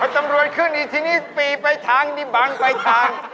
ตำรวจขึ้นอีกทีนี้ปีไปทางนี่บังไปทาง